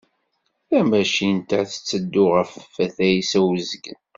Tamacint-a tetteddu ɣer At Ɛisa Uzgan.